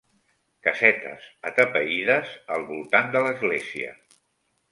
Casetes atapeïdes al voltant de l'església